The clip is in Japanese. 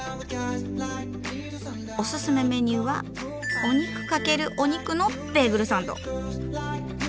オススメメニューは「お肉×お肉」のベーグルサンド。